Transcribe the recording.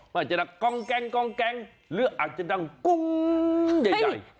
มันอาจจะดังกล้องแก๊งหรืออาจจะดังกุ้งใหญ่